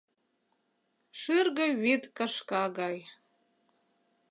Шӱргӧ вӱд кашка гай.